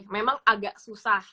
memang agak susah